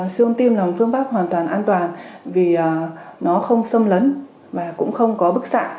siêu tim là một phương pháp hoàn toàn an toàn vì nó không xâm lấn và cũng không có bức xạ